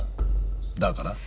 だから？